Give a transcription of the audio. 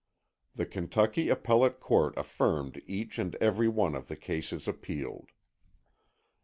'" The Kentucky Appellate Court affirmed each and every one of the cases appealed.